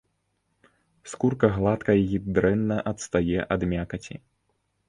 Скурка гладкая і дрэнна адстае ад мякаці.